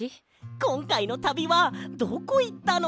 こんかいのたびはどこいったの？